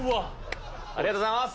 ありがとうございます！